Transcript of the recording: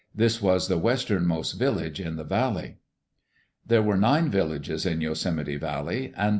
This was the westernmost village in the valley. "There were nine villages in Yosemite Valley and...